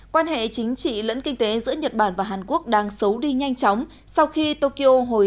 quan hệ chính trị lẫn kinh tế giữa nhật bản và hàn quốc đang xấu đi nhanh chóng sau khi tokyo hồi